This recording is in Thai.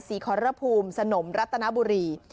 สีขรพูมสนมรัตนบุรี